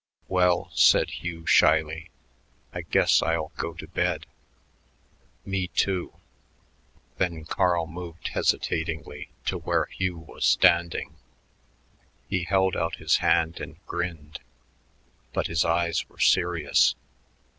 "Well," said Hugh shyly, "I guess I'll go to bed." "Me, too." Then Carl moved hesitatingly to where Hugh was standing. He held out his hand and grinned, but his eyes were serious.